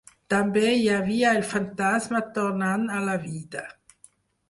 També hi havia el fantasma tornant a la vida.